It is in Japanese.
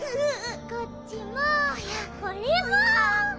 こっちもこれも。